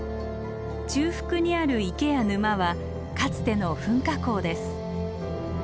中腹にある池や沼はかつての噴火口です。